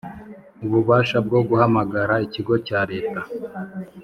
ububasha bwo guhamagara ikigo cya Leta